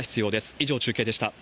以上、中継でした。